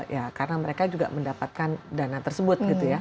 ya karena mereka juga mendapatkan dana tersebut gitu ya